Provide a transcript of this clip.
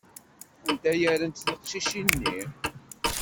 Anda ara rrent teqcicin-nni?